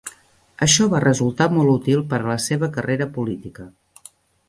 Això va resultar molt útil per a la seva carrera política.